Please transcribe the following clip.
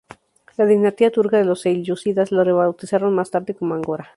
La dinastía turca de los Selyúcidas la rebautizaron más tarde como Angora.